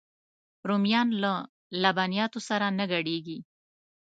رومیان له لبنیاتو سره نه ګډېږي